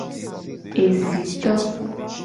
Esito.